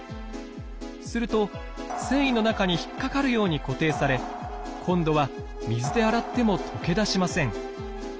すると繊維の中に引っかかるように固定され今度は水で洗っても溶け出しません。